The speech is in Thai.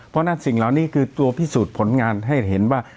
เพราะฉะนั้นสิ่งเหล่านี้คือตัวพิสูจน์ผลงานให้เห็นว่า